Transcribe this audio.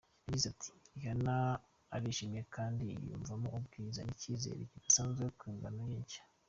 Yagize ati "Rihanna arishimye kandi yiyumvamo ubwiza n’icyizere kidasanzwe ku ngano ye nshya.